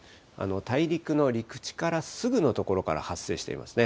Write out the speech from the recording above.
大陸の陸地からすぐの所から発生していますね。